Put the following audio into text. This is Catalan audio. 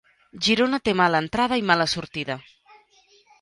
Girona té mala entrada i mala sortida.